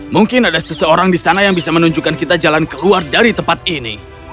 mungkin ada seseorang di sana yang bisa menunjukkan kita jalan keluar dari tempat ini